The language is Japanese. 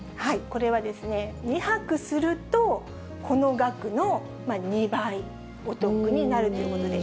これはですね、２泊すると、この額の２倍お得になるということで。